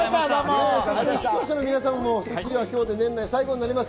視聴者の皆さんも『スッキリ』は今日で年内最後となります。